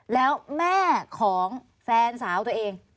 แล้วแม่ของแฟนสาวตัวเอง